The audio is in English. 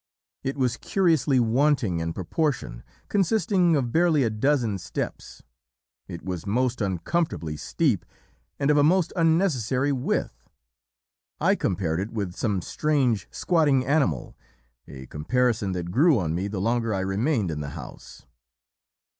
"It was curiously wanting in proportion; consisting of barely a dozen steps, it was most uncomfortably steep and of a most unnecessary width. I compared it with some strange, squatting animal a comparison that grew on me the longer I remained in the house.